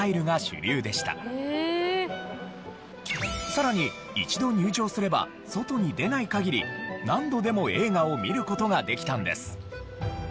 さらに一度入場すれば外に出ない限り何度でも映画を見る事ができたんです。